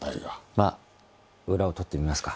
まあ裏を取ってみますか。